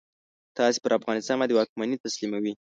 تاسې پر افغانستان باندي واکمني تسلیموي.